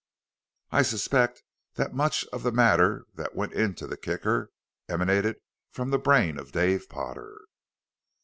I suspect that much of the matter that went into the Kicker emanated from the brain of Dave Potter."